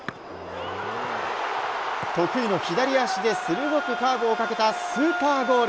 得意の左足で鋭くカーブをかけたスーパーゴール。